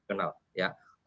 karena kalau kita bicara digital